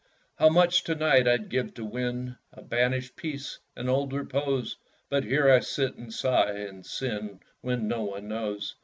How much to night I'd give to win A banished peace an old repose; But here I sit, and sigh, and sin When no one knows.